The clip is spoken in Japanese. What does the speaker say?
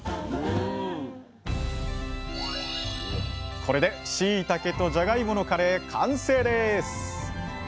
これでしいたけとじゃがいものカレー完成です！